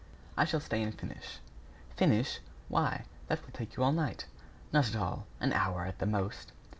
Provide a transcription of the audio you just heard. "I shall stay and finish." "Finish! Why, that will take you all night." "Not at all. An hour, at the most."